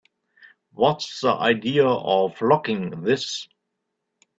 What's the idea of locking this?